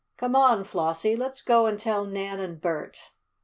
"Come on, Flossie, let's go and tell Nan and Bert!"